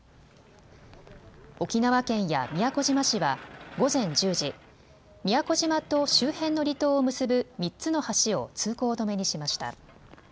沖縄県や宮古島市は午前１０時、宮古島と周辺の離島を結ぶ３つの橋を通行止めにしました。